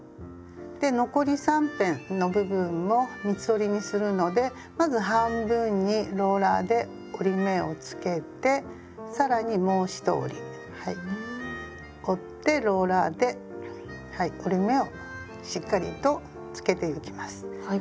で残り三辺の部分も三つ折りにするのでまず半分にローラーで折り目をつけて更にもう一折り折ってローラーで折り目をしっかりとつけてゆきます。